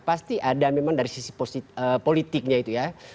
pasti ada memang dari sisi politiknya itu ya